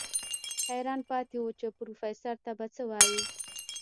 حيران پاتې و چې پروفيسر ته به څه وايي.